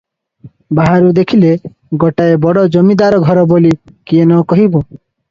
ବାହାରୁ ଦେଖିଲେ ଗୋଟାଏ ବଡ଼ ଜମିଦାର ଘର ବୋଲି କିଏ ନ କହିବ?